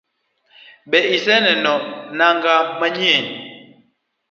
Be iseneno nanga na manyien?